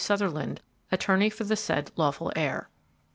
Sutherland, attorney for the said lawful heir.